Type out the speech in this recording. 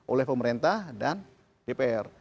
oleh pemerintah dan dpr